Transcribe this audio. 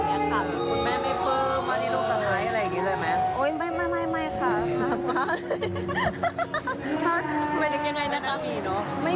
คุณแม่ไม่เปิ้ลมาที่ลูกสนัยอะไรอย่างนี้เลยมั้ย